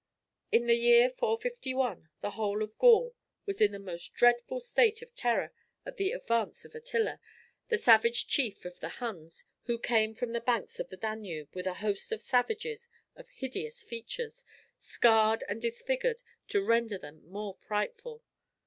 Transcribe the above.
In the year 451 the whole of Gaul was in the most dreadful state of terror at the advance of Attila, the savage chief of the Huns, who came from the banks of the Danube with a host of savages of hideous features, scarred and disfigured to render them more frightful.